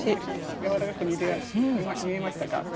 やわらかく煮えましたか。